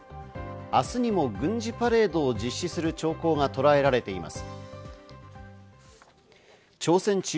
明日にも軍事パレードを実施する兆候がとらえられています。